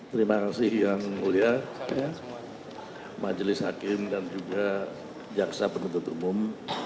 terima kasih yang mulia majelis hakim dan juga jaksa penuntut umum